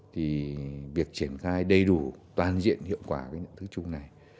thì việc triển khai đầy đủ toàn diện hiệu quả cái nhận thức chung này